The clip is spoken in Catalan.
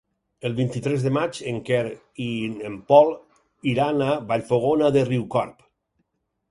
El vint-i-tres de maig en Quer i en Pol iran a Vallfogona de Riucorb.